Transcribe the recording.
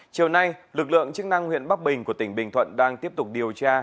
chiều nay lực lượng chức năng huyện bắc bình của tỉnh bình thuận đang tiếp tục điều tra